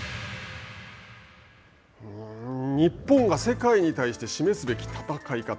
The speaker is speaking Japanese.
日本が世界に対して示すべき戦い方。